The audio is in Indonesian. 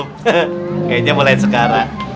kum kayaknya mulai sekarang